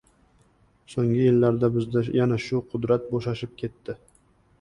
So‘nggi yillarda bizda yana shu Qudrat bo‘shashib ketdi.